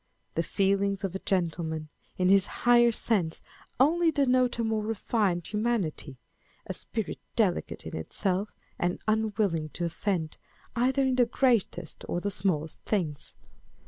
The feelings of a gentleman, in this higher sense, only denote a more refined humanity â€" a spirit delicate in itself, and unwilling to offend, either in the greatest or the smallest things.